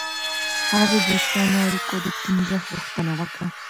هغه د دوستانه اړیکو د ټینګښت غوښتنه وکړه.